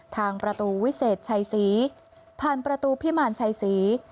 ทางประตูวิเศษชัยศรีผ่านประตูพิมารชัยศรี